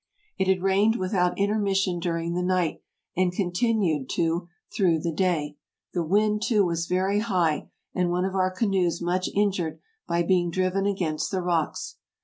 — It had rained without intermission dur ing the night and continued to through the day; the wind, too, was very high, and one of our canoes much injured by be ing driven against the rocks.